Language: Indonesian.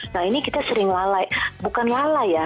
nah ini kita sering lalai bukan lalai ya